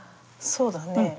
そうだね。